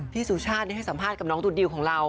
สุชาติให้สัมภาษณ์กับน้องตูดดิวของเรา